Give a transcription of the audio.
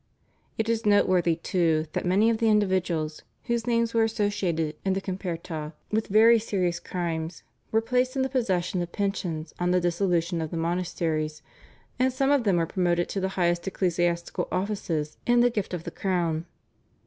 It is noteworthy too that many of the individuals, whose names were associated in the /Comperta/ with very serious crimes, were placed in the possession of pensions on the dissolution of the monasteries, and some of them were promoted to the highest ecclesiastical offices in the gift of the crown.